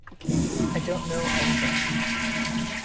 I don't know anybody.